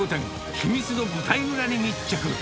秘密の舞台裏に密着。